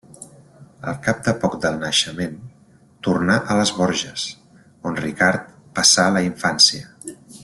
Al cap de poc del naixement, tornà a Les Borges, on Ricard passà la infància.